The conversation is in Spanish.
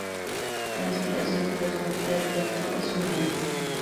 La inspiración filosófica del texto es humanista.